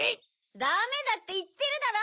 ダメだっていってるだろ！